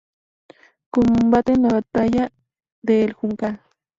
Combate en la batalla de El Juncal.